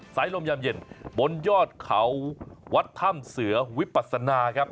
สายลมยามเย็นบนยอดเขาวัดถ้ำเสือวิปัสนาครับ